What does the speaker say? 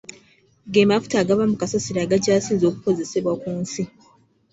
Ge mafuta agava mu kasasiro agakyasinze okukozesebwa mu nsi.